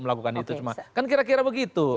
melakukan itu cuma kan kira kira begitu